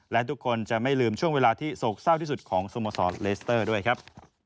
และทุกคนจะไม่ลืมช่วงเวลาที่โศกเศร้าที่สุดของสโมสรเลสเตอร์ด้วยครับ